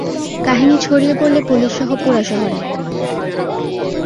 কাহিনী ছড়িয়ে পড়লে পুলিশসহ পুরা শহরে।